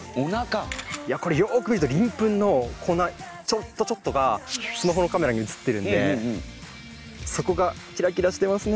いやこれよく見ると鱗粉の粉ちょっとちょっとがスマホのカメラに写ってるんでそこがキラキラしてますね。